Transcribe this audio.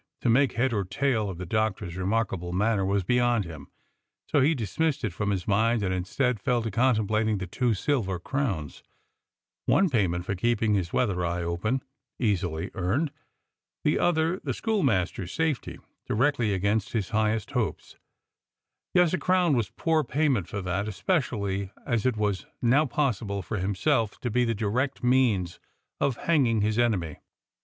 To make head or tail of the Doctor's re markable manner was beyond him, so he dismissed it from his mind and instead fell to contemplating the two silver crowns: one payment for keeping his weather eye open — easily earned; the other — the schoolmaster's safety — directly against his highest hopes; yes, a crown was poor payment for that, especially as it was now possible for himself to be the direct means of hanging his enemy.